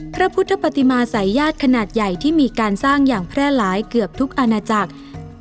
พระพุทธปฏิมาศัยญาติขนาดใหญ่ที่มีการสร้างอย่างแพร่หลายเกือบทุกอาณาจักร